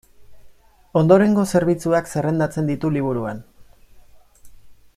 Ondorengo zerbitzuak zerrendatzen ditu liburuan.